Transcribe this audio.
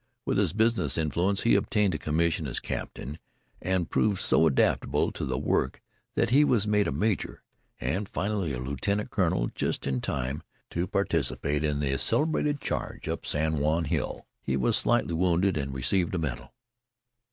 With his business influence he obtained a commission as captain, and proved so adaptable to the work that he was made a major, and finally a lieutenant colonel just in time to participate in the celebrated charge up San Juan Hill. He was slightly wounded, and received a medal.